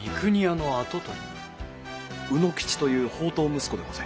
卯之吉という放蕩息子でございます。